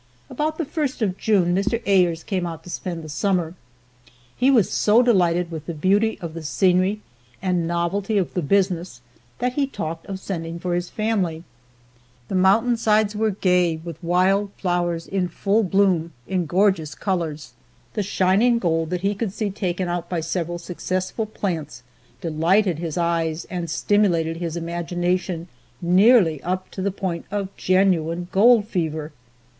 About the first of June, Mr. Ayres came out to spend the summer. He was so delighted with the beauty of the scenery and novelty of the business that he talked of sending for his family. The mountain sides were gay with wild flowers in full bloom in gorgeous colors. The shining gold that he could see taken out by several successful plants, delighted his eyes and stimulated his imagination nearly up to the point of genuine gold fever.